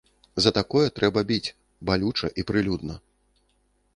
За такое трэба біць, балюча і прылюдна.